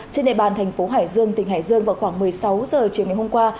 trên địa bàn thành phố hải dương tỉnh hải dương vào khoảng một mươi sáu h chiều ngày hôm qua